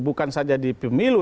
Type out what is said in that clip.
bukan saja di pemilu